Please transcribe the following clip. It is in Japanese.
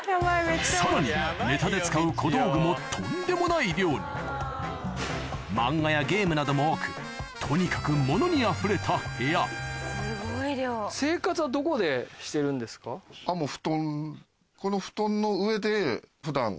さらにネタで使う小道具もとんでもない量に漫画やゲームなども多くとにかくあっもう布団。